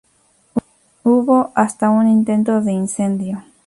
Hubo hasta un intento de incendio.